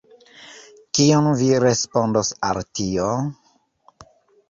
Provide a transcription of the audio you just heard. Kion vi respondos al tio?